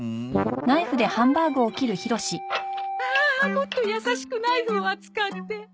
もっと優しくナイフを扱って。